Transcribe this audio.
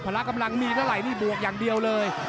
ละกำลังมีเท่าไหร่นี่บวกอย่างเดียวเลย